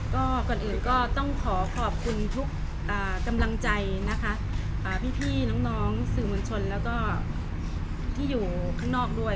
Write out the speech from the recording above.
ก็ก่อนอื่นก็ต้องขอขอบคุณทุกกำลังใจนะคะพี่น้องสื่อมวลชนแล้วก็ที่อยู่ข้างนอกด้วย